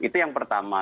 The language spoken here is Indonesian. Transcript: itu yang pertama